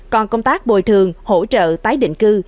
còn công tác bồi thường hỗ trợ tái định cư